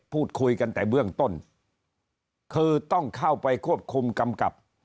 พูดคุยกันแต่เบื้องต้นคือต้องเข้าไปควบคุมกำกับ